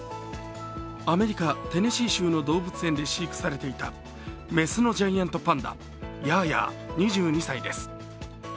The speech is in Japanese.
アメリカ・テネシー州の動物園で飼育されていた雌のジャイアントパンダヤーヤー、２２歳です。